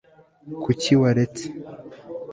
kuki waretse